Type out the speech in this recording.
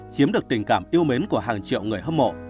chiếm được tình cảm yêu mến của hàng triệu người hâm mộ